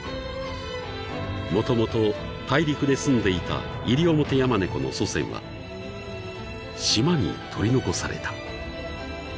［もともと大陸ですんでいたイリオモテヤマネコの祖先は島に取り残された］